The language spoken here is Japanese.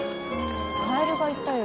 カエルがいたよ。